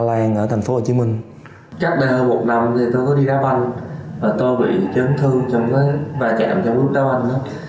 cắt đây hơn một năm thì tôi có đi đá banh và tôi bị chấn thương trong cái va chạm trong lúc đá banh đó